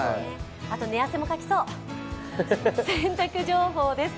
あと寝汗もかきそう、洗濯情報です。